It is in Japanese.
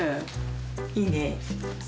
いいね。